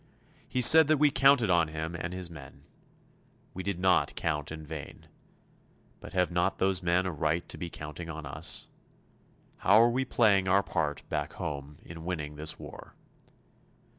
He said that we counted on him and his men. We did not count in vain. But have not those men a right to be counting on us? How are we playing our part "back home" in winning this war?